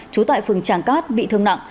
trú tại phường tràng cát bị thương nặng